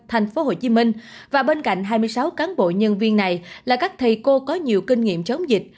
thành phố hồ chí minh và bên cạnh hai mươi sáu cán bộ nhân viên này là các thầy cô có nhiều kinh nghiệm chống dịch